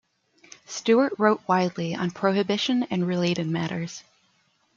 Stewart wrote widely on prohibition and related matters.